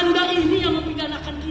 anda ini yang mempidanakan kita